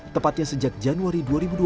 tepatnya sejak januari dua ribu dua puluh